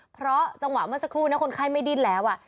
เพราะจังหวะเมื่อสักครู่นะคนไข้ไม่ดิ้นแล้ว